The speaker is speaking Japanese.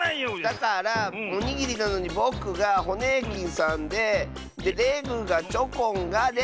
だからおにぎりなのにぼくがホネーキンさんででレグがチョコンがで。